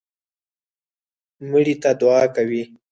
مړي ته دعا کوئ